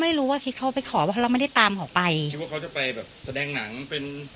ไม่รู้ว่าคิดเขาไปขอเพราะเราไม่ได้ตามเขาไปคิดว่าเขาจะไปแบบแสดงหนังเป็น